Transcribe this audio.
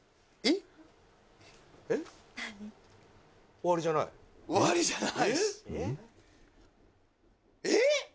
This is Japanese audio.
「終わりじゃない？」